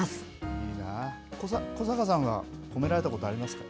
いいなぁ、小坂さんは褒められたことありますか？